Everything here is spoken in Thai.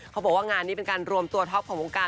เขาบอกว่างานนี้เป็นการรวมตัวท็อปของวงการ